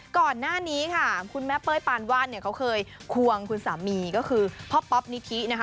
ก่อนหน้านี้ค่ะคุณแม่เป้ยปานวาดเนี่ยเขาเคยควงคุณสามีก็คือพ่อป๊อปนิธินะคะ